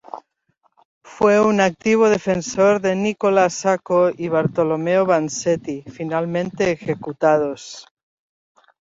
Fue un activo defensor de Nicola Sacco y Bartolomeo Vanzetti, finalmente ejecutados.